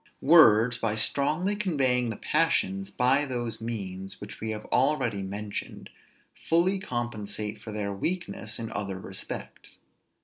Words, by strongly conveying the passions by those means which we have already mentioned, fully compensate for their weakness in other respects.